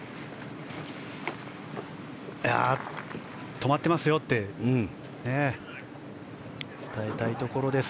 止まってますよって伝えたいところです。